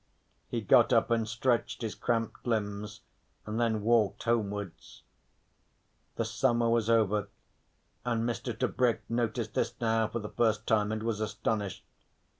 He got up and stretched his cramped limbs, and then walked homewards. The summer was over and Mr. Tebrick noticed this now for the first time and was astonished.